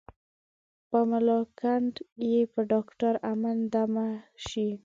په ملاکنډ یې په ډاکټر امن دمه شي.